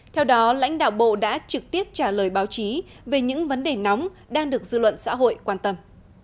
theo đó lãnh đạo bộ đã trực tiếp trả lời báo chí về những vấn đề nóng đang được dư luận xã hội quan tâm